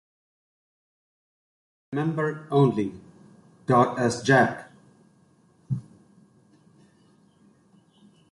Remembered only.. dot as Jack.